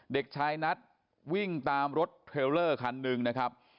เด็กชายนัทวิ่งตามรถเทรลเลอร์คันหนึ่งนะครับ